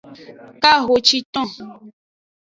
Kahociton.